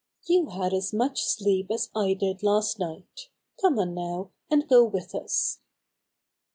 "You had as much sleep as I did last night. Come on now, and go with us."